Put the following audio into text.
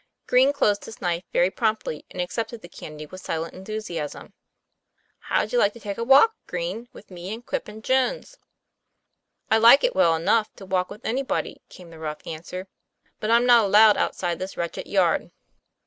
Green closed his knife very promptly, and accepted the candy with silent enthusiasm. " How'd you like to take a walk, Green, with me and Quip and Jones?" "I'd like it well enough to walk with anybody," came the rough answer. '* But I'm not allowed out side this wretched yard."